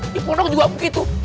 di pondok juga begitu